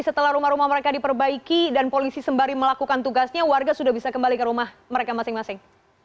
setelah rumah rumah mereka diperbaiki dan polisi sembari melakukan tugasnya warga sudah bisa kembali ke rumah mereka masing masing